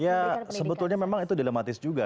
ya sebetulnya memang itu dilematis juga